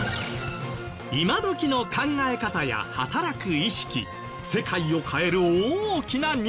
今どきの考え方や働く意識世界を変える大きなニュース。